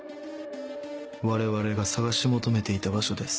我々が探し求めていた場所です。